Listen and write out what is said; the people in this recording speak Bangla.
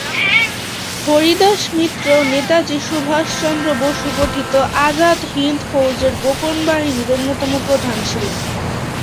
হরিদাস মিত্র নেতাজী সুভাষচন্দ্র বসু গঠিত আজাদ হিন্দ ফৌজের গোপন বাহিনীর অন্যতম প্রধান ছিলেন।